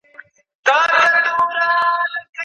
او قاضي ته یې د میني حال بیان کړ